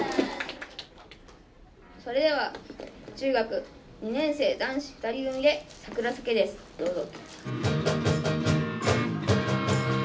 それでは中学２年生男子２人組で「サクラ咲ケ」ですどうぞ。